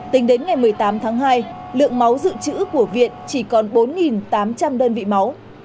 tính đến ngày một mươi tám tháng hai lượng máu dự trữ của viện chỉ còn bốn tám trăm linh đơn vị máu